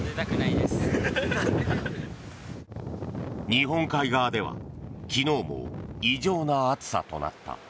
日本海側では昨日も異常な暑さとなった。